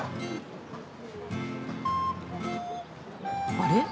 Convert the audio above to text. あれ？